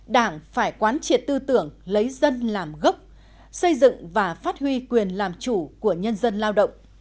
đảng phải quán triệt tư tưởng lấy dân làm gốc xây dựng và phát huy quyền làm chủ của nhân dân lao động